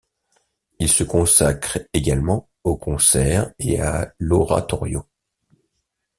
Il se consacre également au concert et à l'oratorio.